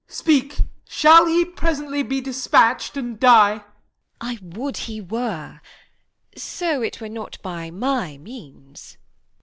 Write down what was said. Y. Mor. Speak, shall he presently be despatch'd and die? Q. Isab. I would he were, so 'twere not by my means!